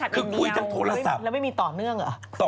คุยทั้งโทรศัพท์